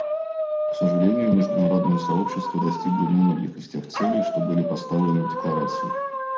К сожалению, международное сообщество достигло немногих из тех целей, что были поставлены в Декларации.